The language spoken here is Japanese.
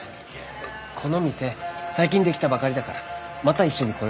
この店最近出来たばかりだからまた一緒に来よう。